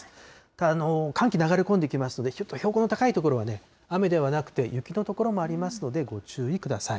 ただ寒気流れ込んできますので、標高の高い所では雨ではなくて雪の所もありますのでご注意ください。